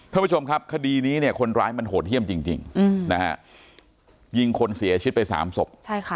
ท่านผู้ชมครับคดีนี้เนี่ยคนร้ายมันโหดเยี่ยมจริงนะฮะยิงคนเสียชีวิตไป๓ศพ